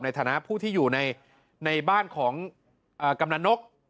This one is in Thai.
ในฐานะผู้ที่อยู่ในบ้านของกำนันนก